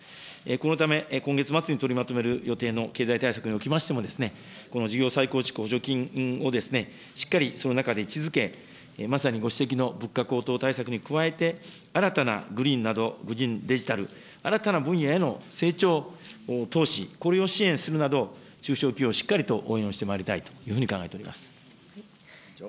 このため、今月末に取りまとめる予定の経済対策におきましても、この事業再構築補助金をしっかりその中で位置づけ、まさにご指摘の物価高騰対策に加えて、新たなグリーンなど、グリーン、デジタル、新たな分野への成長投資、これを支援するなど、中小企業をしっかりと応援をしてまいりたいと考えております。